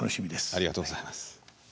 ありがとうございます。